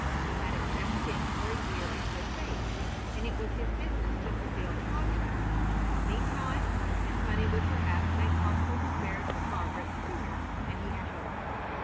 He had accepted it for a year in good faith, and it was his business to fulfil the contract. Meantime, this money would perhaps make possible his marriage with Margaret sooner than he had hoped.